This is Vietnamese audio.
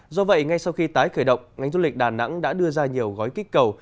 do vậy ngay sau khi tái khởi động ngành du lịch đà nẵng đã đưa ra nhiều gói kích cầu